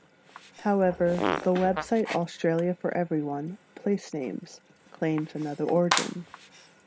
However, the website "Australia for Everyone; Place Names", claims another origin.